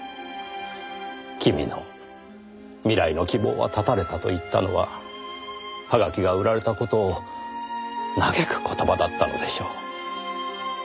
君の未来の希望は絶たれたと言ったのははがきが売られた事を嘆く言葉だったのでしょう。